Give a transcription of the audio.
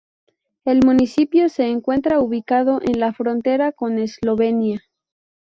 El municipio se encuentra ubicado en la frontera con Eslovenia.